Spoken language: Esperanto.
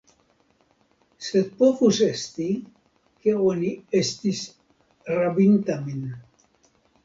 Sed povus esti, ke oni estis rabinta min.